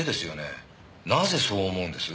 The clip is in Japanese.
なぜそう思うんです？